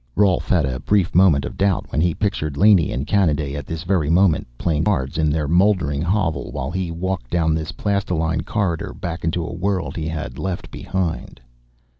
Rolf had a brief moment of doubt when he pictured Laney and Kanaday at this very moment, playing cards in their mouldering hovel while he walked down this plastiline corridor back into a world he had left behind.